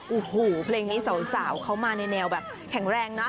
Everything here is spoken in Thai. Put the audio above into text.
โอ้โหเพลงนี้สาวเขามาในแนวแบบแข็งแรงนะ